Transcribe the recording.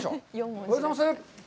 おはようございます。